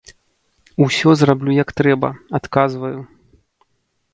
Усё зраблю як трэба, адказваю.